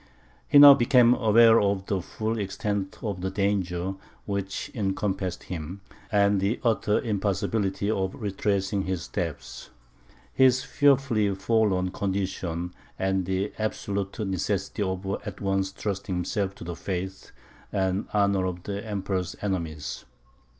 He now became aware of the full extent of the danger which encompassed him, the utter impossibility of retracing his steps, his fearfully forlorn condition, and the absolute necessity of at once trusting himself to the faith and honour of the Emperor's enemies.